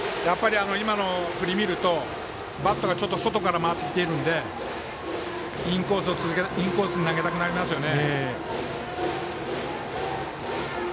今の振りを見るとバットが外から回ってきているのでインコースに投げたくなりますね。